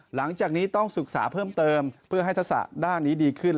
หลังจากนี้ต้องศึกษาเพิ่มเติมเพื่อให้ทักษะด้านนี้ดีขึ้น